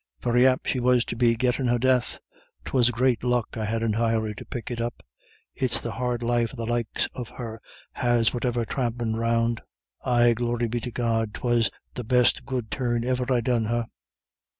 "Very apt she was to be gettin' her death. 'Twas great luck I had entirely to pick it up. It's the hard life the likes of her has whatever thrampin' around. Ay, glory be to God, 'twas the best good turn iver I done her."